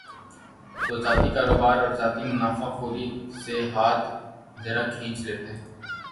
تو ذاتی کاروبار اور ذاتی منافع خوری سے ہاتھ ذرا کھینچ لیتے۔